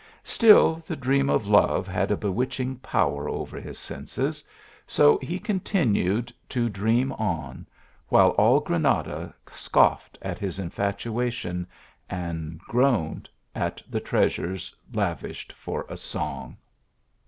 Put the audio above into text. Still the dream of love had a bewitching power over his senses ; so he continued to dream on , while all Granada scoffed at his in fatuation, and groaned at the treasures lavished for a song.